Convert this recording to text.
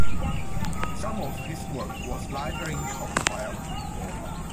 Some of his work was lighter in tone, however.